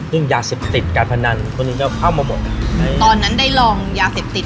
เรื่องยาเสพติดการพนันคนอื่นก็เข้ามาหมดตอนนั้นได้ลองยาเสพติด